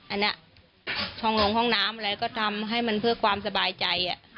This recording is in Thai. อันนี้ช่องลงห้องน้ำอะไรก็ทำให้มันเพื่อความสบายใจ